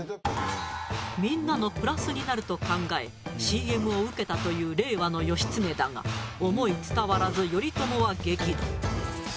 みんなのプラスになると考えＣＭを受けたという令和の義経だが思い伝わらず頼朝は激怒。